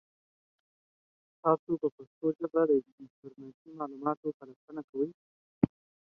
تاسو په پښتو ژبه د انټرنیټي معلوماتو پلټنه کوئ؟